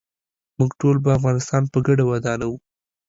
موږ ټول به افغانستان په ګډه ودانوو.